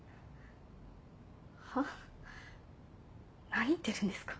何言ってるんですか？